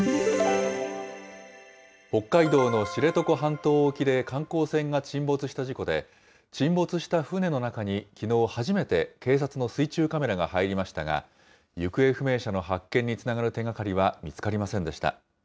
北海道の知床半島沖で観光船が沈没した事故で、沈没した船の中に、きのう初めて警察の水中カメラが入りましたが、行方不明者の発見につながる手がかりは見つかりませんでした。